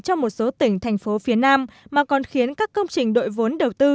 cho một số tỉnh thành phố phía nam mà còn khiến các công trình đội vốn đầu tư